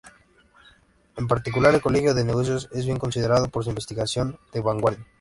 En particular, el Colegio de Negocios es bien considerado por su investigación de vanguardia.